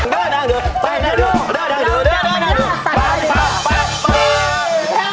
ด้าด้าเดอะ